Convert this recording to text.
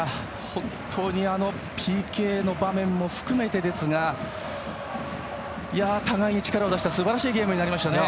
本当にあのＰＫの場面も含めてですが互いに力を出したすばらしい試合になりましたね。